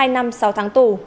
hai năm sáu tháng tù